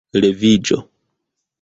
Leviĝo!